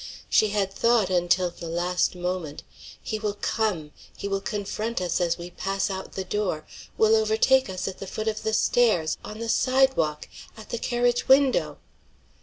She had thought until the last moment, "He will come; he will confront us as we pass out the door will overtake us at the foot of the stairs on the sidewalk at the carriage window."